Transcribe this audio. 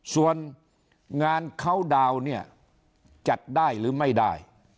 ส่วนงานเขาดาวน์เนี่ยจัดได้หรือไม่ได้